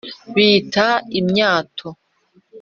bita imyato